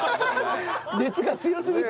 熱が強すぎて。